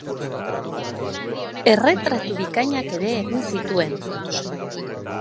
Erretratu bikainak ere egin zituen.